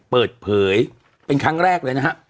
เปิดเผยเป็นครั้งแรกเลยนะฮะ